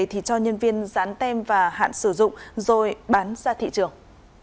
thì cho nhân viên dán tem và hạn sử dụng rồi bán ra thị trường